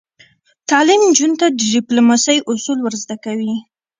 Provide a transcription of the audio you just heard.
تعلیم نجونو ته د ډیپلوماسۍ اصول ور زده کوي.